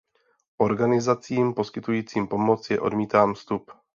Organizacím poskytujícím pomoc je odmítán vstup.